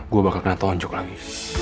gue bakal kena tonjuk lagi